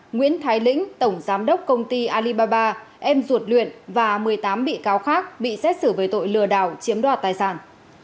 nguyễn thái lĩnh tổng giám đốc công ty alibaba em ruột luyện và một mươi tám bị cáo khác bị xét xử về tội lừa đảo chiếm đoạt tài sản